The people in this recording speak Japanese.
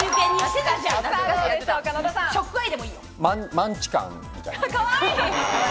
マンチカンみたいな。